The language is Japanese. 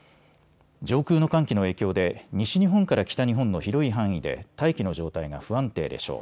上空の寒気の影響で西日本から北日本の広い範囲で大気の状態が不安定でしょう。